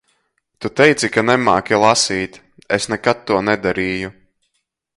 Tu teici ka nemāki lasīt. Es nekad to nedarīju.